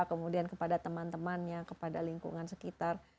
kemudian kepada teman temannya kepada lingkungan sekitar